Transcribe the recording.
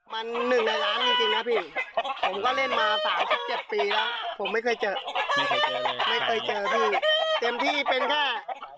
มันหนึ่งในล้านจริงนะพี่ผมก็เล่นมา๓๗ปีแล้วผมไม่เคยเจอเลยไม่เคยเจอพี่เต็มที่เป็นแค่